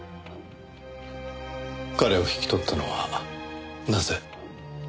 彼を引き取ったのはなぜ？